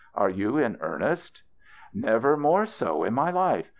Are you in earnest ?" "Never more so in my life.